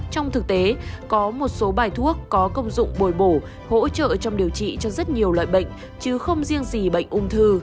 trong thực tế có một số bài thuốc có công dụng bồi bổ hỗ trợ trong điều trị cho rất nhiều loại bệnh chứ không riêng gì bệnh ung thư